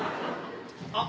あっ。